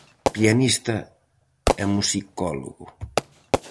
Pianista e musicólogo.